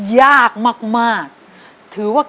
สงสารเสรี